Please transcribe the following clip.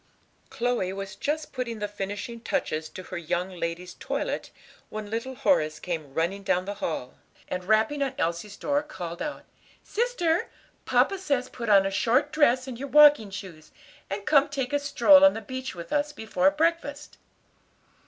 Chloe was just putting the finishing touches to her young lady's toilet when little Horace came running down the hall, and rapping on Elsie's door, called out, "Sister, papa says put on a short dress, and your walking shoes, and come take a stroll on the beach with us before breakfast."